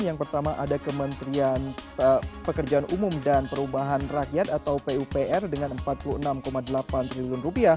yang pertama ada kementerian pekerjaan umum dan perubahan rakyat atau pupr dengan rp empat puluh enam delapan triliun